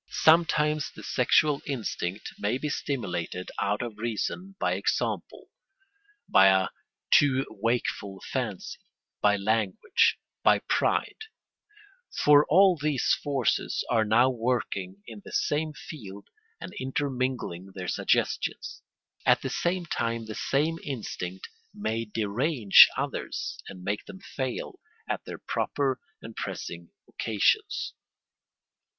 Sometimes the sexual instinct may be stimulated out of season by example, by a too wakeful fancy, by language, by pride—for all these forces are now working in the same field and intermingling their suggestions. At the same time the same instinct may derange others, and make them fail at their proper and pressing occasions.